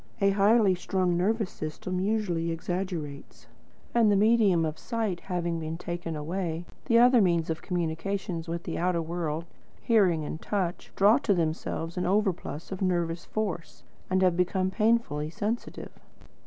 A highly strung nervous system usually exaggerates. And the medium of sight having been taken away, the other means of communication with the outer world, hearing and touch, draw to themselves an overplus of nervous force, and have become painfully sensitive.